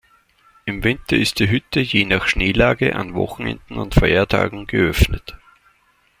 Im Winter ist die Hütte je nach Schneelage an Wochenenden und Feiertagen geöffnet.